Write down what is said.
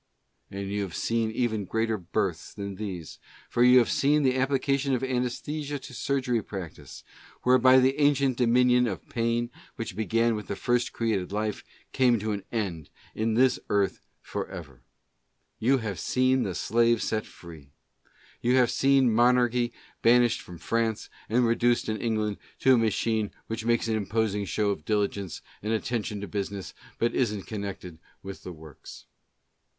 And you have seen even greater births than these ; for you have seen the application of anaesthesia to surgery practice, whereby the ancient dominion of pain, which began with the first created life, came to an end in this earth forever ; you have seen the slave set free ; you have seen monarchy ban ished from France, and reduced in England to a machine which makes an imposing show of diligence and attention to business, but isn't connected with the works.